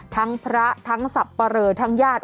ทั้งพระทั้งสับปะเรอทั้งญาติ